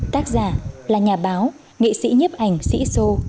tác giả là nhà báo nghị sĩ nhếp ảnh sĩ sô